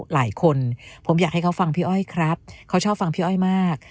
หลายคนผมอยากให้เขาฟังพี่อ้อยครับเขาชอบฟังพี่อ้อยมาก